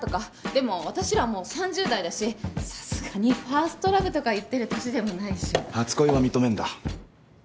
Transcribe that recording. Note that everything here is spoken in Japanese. でも私らもう３０代だしさすがにファーストラブとか言ってる年でもないし。初恋は認めんだ。